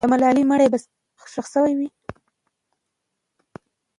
د ملالۍ مړی به ښخ سوی وي.